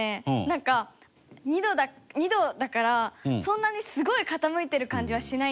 なんか２度だからそんなにすごい傾いてる感じはしないんですよ。